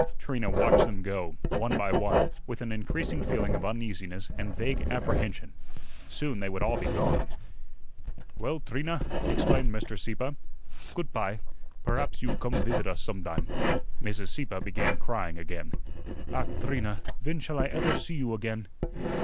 Trina watched them go, one by one, with an increasing feeling of uneasiness and vague apprehension. Soon they would all be gone. "Well, Trina," exclaimed Mr. Sieppe, "goot py; perhaps you gome visit us somedime." Mrs. Sieppe began crying again. "Ach, Trina, ven shall I efer see you again?"